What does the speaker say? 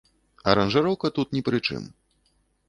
Аранжыроўка тут ні пры чым.